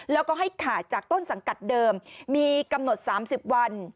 แล้วก็ให้ขาดจากต้นสังกัดเดิมมีกำหนด๓๐วัน